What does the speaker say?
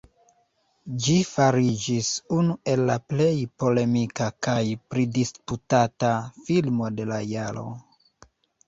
Ĝi fariĝis unu el la plej polemika kaj pridisputata filmo de la jaro.